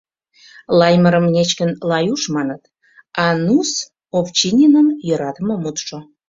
— Лаймырым нечкын Лаюш маныт, а «ну-с» Овчининын йӧратыме мутшо.